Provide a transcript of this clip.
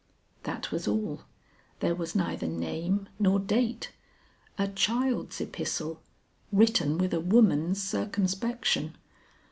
That was all; there was neither name nor date. A child's epistle, written with a woman's circumspection.